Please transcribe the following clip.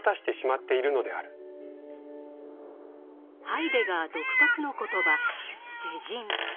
ハイデガー独特の言葉「世人」。